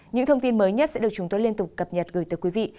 những thông tin mới nhất sẽ được chúng tôi liên tục cập nhật gửi tới quý vị